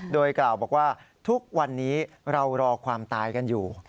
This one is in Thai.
โดยกล่าวบอกว่าทุกวันนี้เรารอความตายกันอยู่